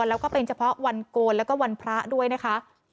แล้วก็เป็นเฉพาะวันโกนแล้วก็วันพระด้วยนะคะ